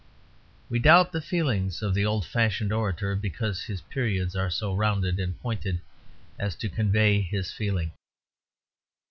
We doubt the feeling of the old fashioned orator, because his periods are so rounded and pointed as to convey his feeling.